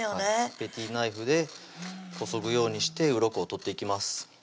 ペティナイフでこそぐようにしてうろこを取っていきます